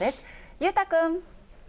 裕太君。